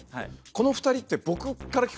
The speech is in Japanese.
この２人って僕から聴くと。